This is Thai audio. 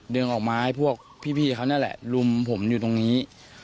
ออกมาให้พวกพี่เขานั่นแหละลุมผมอยู่ตรงนี้